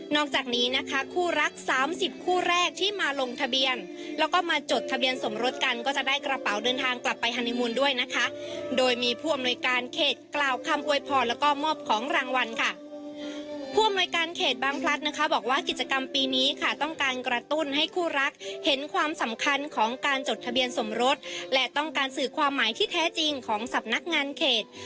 จากนี้นะคะคู่รักสามสิบคู่แรกที่มาลงทะเบียนแล้วก็มาจดทะเบียนสมรสกันก็จะได้กระเป๋าเดินทางกลับไปฮานีมูลด้วยนะคะโดยมีผู้อำนวยการเขตกล่าวคำอวยพรแล้วก็มอบของรางวัลค่ะผู้อำนวยการเขตบางพลัดนะคะบอกว่ากิจกรรมปีนี้ค่ะต้องการกระตุ้นให้คู่รักเห็นความสำคัญของการจดทะเบียนสมรสและต้องการสื่อความหมายที่แท้จริงของสำนักงานเขต